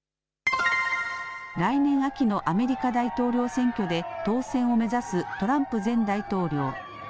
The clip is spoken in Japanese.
来年秋のアメリカ大統領選挙で当選を目指すトランプ前大統領。